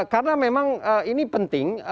karena memang ini penting